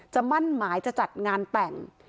มั่นหมายจะจัดงานแต่ง